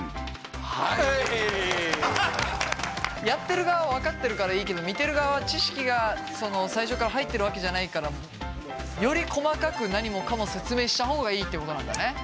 やってる側は分かってるからいいけど見てる側は知識が最初から入ってるわけじゃないからより細かく何もかも説明した方がいいってことなんだね。